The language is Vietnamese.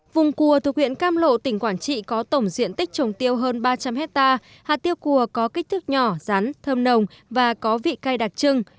vùng cùa thuộc huyện cam lộ tỉnh quảng trị có tổng diện tích trồng tiêu hơn ba trăm linh hectare hạt tiêu cùa có kích thước nhỏ rắn thơm nồng và có vị cây đặc trưng